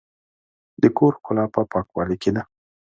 د کور ښکلا په پاکوالي کې ده.